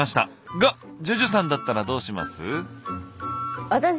がＪＵＪＵさんだったらどうします？